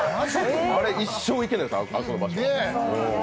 あれ一生行けないです、あの場所。